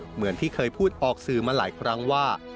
เหมือนที่เคยพูดออกสื่อมาหลายครั้งว่า